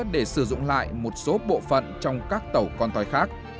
để sử dụng lại một số bộ phận trong các tàu con toi khác